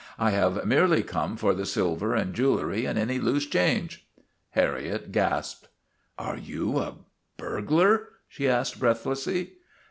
I have merely come for the silver and jewelry and any loose change." Harriet gasped. 'Are you a burglar?' she asked breathlessly.